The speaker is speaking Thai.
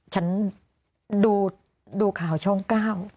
ฉันดูดูข่าวช่องก้าว